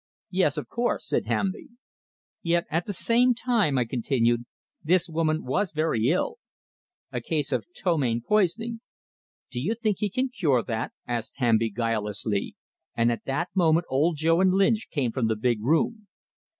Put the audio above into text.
"Yes, of course," said Hamby. Yet at the same time, I continued, this woman was very ill, a case of ptomaine poisoning "Do you think he can cure that?" asked Hamby guilelessly; and at that moment Old Joe and Lynch came from the big room.